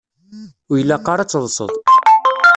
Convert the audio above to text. Ur ilaq ara ad teṭṭseḍ.